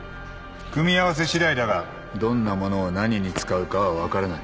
組み合わせしだいだがどんなものを何に使うかは分からない。